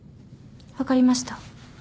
分かりました。